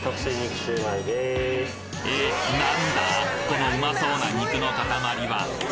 このうまそうな肉の塊は？